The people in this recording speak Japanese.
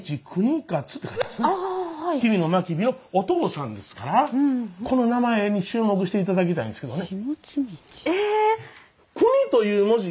吉備真備のお父さんですからこの名前に注目していただきたいんですけどね。